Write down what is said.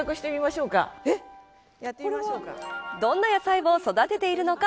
どんな野菜を育てているのか。